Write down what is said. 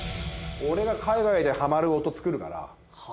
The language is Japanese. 俺が海外ではまる音作るから。